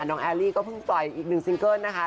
แอลลี่ก็เพิ่งปล่อยอีกหนึ่งซิงเกิ้ลนะคะ